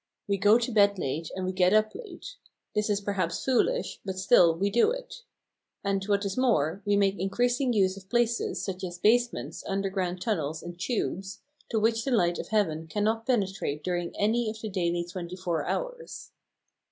We go to bed late and we get up late; this is perhaps foolish, but still we do it. And, what is more, we make increasing use of places, such as basements, underground tunnels, and "tubes," to which the light of heaven cannot penetrate during any of the daily twenty four hours.